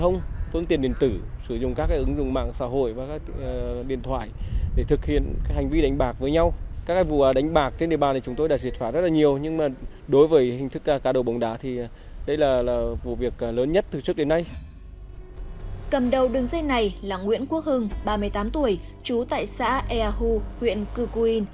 cầm đầu đường dây này là nguyễn quốc hưng ba mươi tám tuổi trú tại xã ea hu huyện cư cô yên